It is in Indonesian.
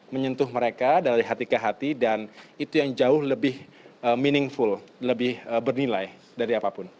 menyentuh mereka dari hati ke hati dan itu yang jauh lebih meaningful lebih bernilai dari apapun